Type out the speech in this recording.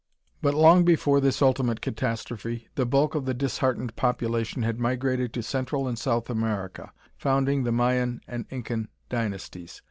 But long before this ultimate catastrophe, the bulk of the disheartened population had migrated to Central and South America, founding the Mayan and Incan dynasties.